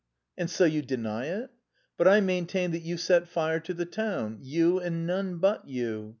"And so you deny it? But I maintain that you set fire to the town, you and none but you.